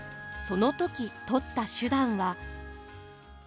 その時とった手段は。